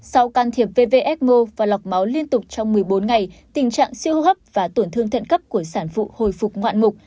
sau can thiệp vvsmo và lọc máu liên tục trong một mươi bốn ngày tình trạng siêu hô hấp và tổn thương thận cấp của sản phụ hồi phục ngoạn mục